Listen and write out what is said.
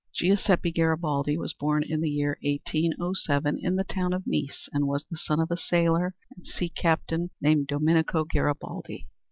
Giuseppe Garibaldi was born in the year 1807, in the town of Nice, and was the son of a sailor and sea captain named Domenico Garibaldi.